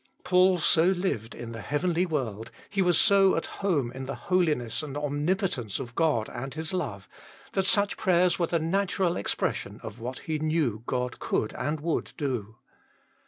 Paul so lived in the heavenly world, he was so at home in the holiness and omnipotence of God and His love, that such prayers were the natural expression of what he knew God could and would do.